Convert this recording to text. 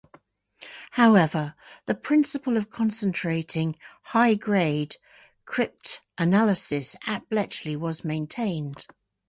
However, the principle of concentrating high-grade cryptanalysis at Bletchley was maintained.